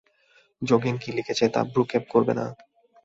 যোগেন কি লিখছে, তা ভ্রূক্ষেপ করবে না।